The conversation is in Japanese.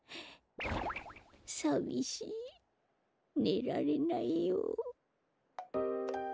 さみしいねられないよ。